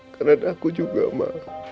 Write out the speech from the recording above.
karena ada aku juga ma